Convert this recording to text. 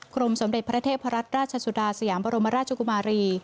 สมเด็จพระเทพรัตนราชสุดาสยามบรมราชกุมารี